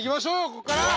ここから。